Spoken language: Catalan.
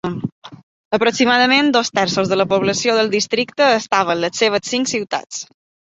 Aproximadament dos terços de la població del districte estava en les seves cinc ciutats.